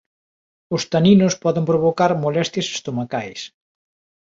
Os taninos poden provocar molestias estomacais.